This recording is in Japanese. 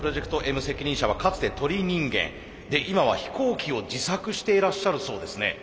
Ｍ責任者はかつて鳥人間で今は飛行機を自作していらっしゃるそうですね。